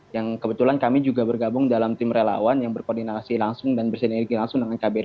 yang kebetulan kami juga bergabung dalam tim relawan yang berkoordinasi langsung dan bersinergi langsung dengan kbr